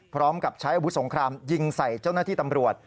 พร้อมกับใช้อาวุธสงครามยิงใส่เจ้าหน้าที่ตำรวจ